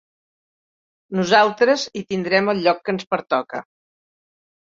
Nosaltres hi tindrem el lloc que ens pertoque.